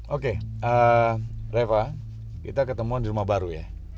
oke reva kita ketemuan di rumah baru ya